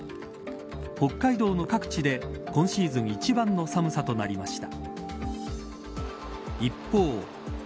北海道の各地で今シーズン一番の寒さとなりました。